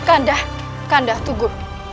kanda kanda tunggu